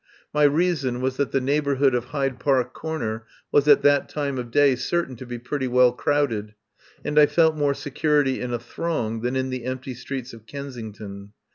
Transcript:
My rea son was that the neighbourhood of Hyde Park Corner was at that time of day certain to be pretty well crowded, and I felt more security in a throng than in the empty streets of Ken sington.